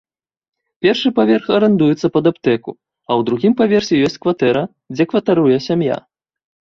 Першы паверх арандуецца пад аптэку, а ў другім паверсе есць кватэра, дзе кватаруе сям'я.